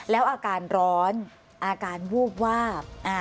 แล้วอาการร้อนอาการวูบวาบ